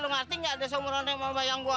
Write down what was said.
lo ngerti nggak ada seorang yang mau bayang gue